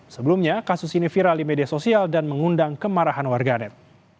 sebelumnya kasus ini viral di media sosial dan mengundang kemarahan warganet